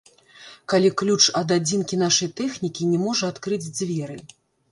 Калі ключ ад адзінкі нашай тэхнікі не можа адкрыць дзверы.